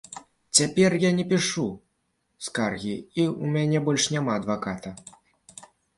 Цяпер я не пішу скаргі, у мяне няма больш адваката.